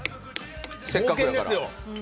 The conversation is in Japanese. せっかくやから。